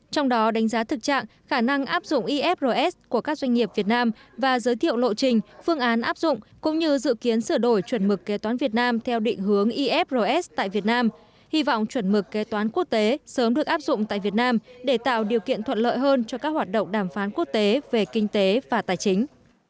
phó chủ tịch nước mong muốn tòa án việt nam sang tòa án việt nam theo định hướng ifrs tại việt nam hy vọng chuẩn mực kế toán quốc tế sớm được áp dụng tại việt nam để tạo điều kiện thuận lợi hơn cho các hoạt động đàm phán quốc tế về kinh tế và tài chính